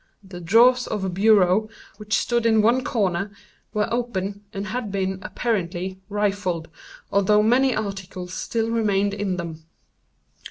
The drawers of a bureau, which stood in one corner were open, and had been, apparently, rifled, although many articles still remained in them.